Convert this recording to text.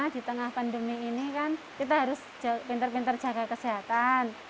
di tengah pandemi ini kan kita harus pinter pinter jaga kesehatan